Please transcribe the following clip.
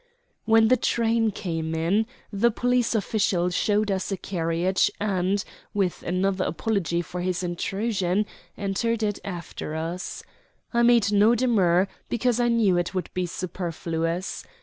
When the train came in, the police official showed us to a carriage, and, with another apology for his intrusion, entered it after us. I made no demur, because I knew it would be superfluous.